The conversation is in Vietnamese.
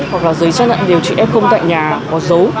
hoặc là giấy chắc nhận điều trị f tại nhà có dấu